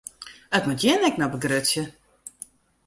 It moat jin ek noch begrutsje.